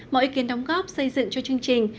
mọi ý kiến đóng góp xây dựng cho chương trình